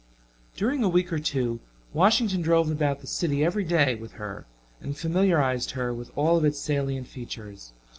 During a week or two Washington drove about the city every day with her and familiarized her with all of its salient features.